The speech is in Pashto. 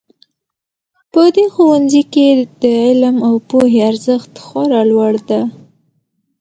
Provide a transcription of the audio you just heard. په دې ښوونځي کې د علم او پوهې ارزښت خورا لوړ ده